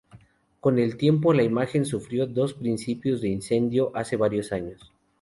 Con el tiempo, la imagen sufrió dos principios de incendio hace varios años.